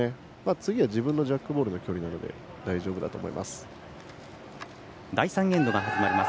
次は自分のジャックボールなので大丈夫だと思います。